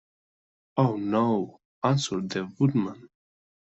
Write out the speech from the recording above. "Oh, no;" answered the Woodman.